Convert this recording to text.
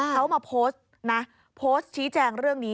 เขามาโพสต์นะโพสต์ชี้แจงเรื่องนี้